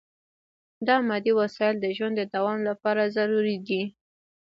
دا مادي وسایل د ژوند د دوام لپاره ضروري دي.